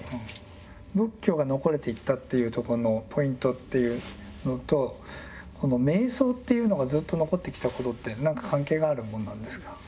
仏教が残れていったっていうとこのポイントっていうのとこの瞑想っていうのがずっと残ってきたことって何か関係があるもんなんですか？